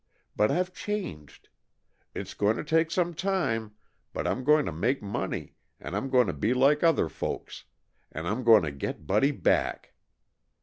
But I've changed. It's going to take some time, but I'm going to make money, and I'm going to be like other folks, and I'm going to get Buddy back.